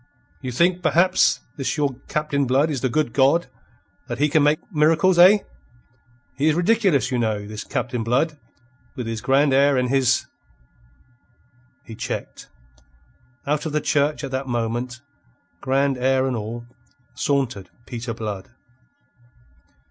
"You think, perhaps, this your Captain Blood is the good God. That he can make miracles, eh? He is ridiculous, you know, this Captain Blood; with his grand air and his...." He checked. Out of the church at that moment, grand air and all, sauntered Peter Blood.